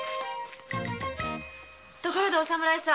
ところでお侍さん。